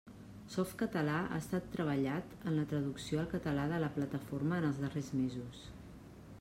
Softcatalà ha estat treballat en la traducció al català de la plataforma en els darrers mesos.